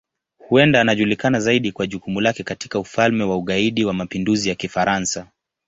Huenda anajulikana zaidi kwa jukumu lake katika Ufalme wa Ugaidi wa Mapinduzi ya Kifaransa.